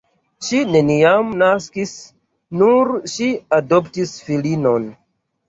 Ŝi neniam naskis, nur ŝi adoptis filinon.